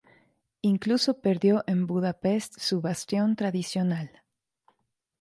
Incluso perdió en Budapest, su bastión tradicional.